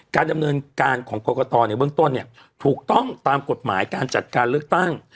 การดำเนินการของกรกตในเบื้องต้นเนี่ยถูกต้องตามกฎหมายการจัดการเลือกตั้ง